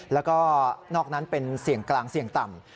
แล้วก็นอกนั้นเป็นเสี่ยงกลางเสี่ยงต่ำ